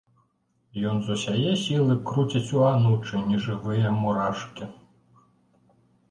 Ён з усяе сілы круціць у анучы нежывыя мурашкі.